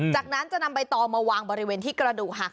จากนั้นจะนำใบตองมาวางบริเวณที่กระดูกหัก